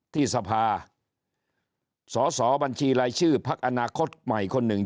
ที่สภาสอสอบัญชีรายชื่อพักอนาคตใหม่คนหนึ่ง